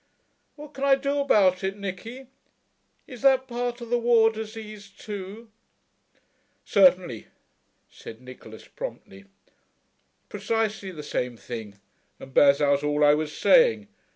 What can I do about it, Nicky? Is that part of the war disease too?' 'Certainly,' said Nicholas promptly. 'Precisely the same thing, and bears out all I was saying.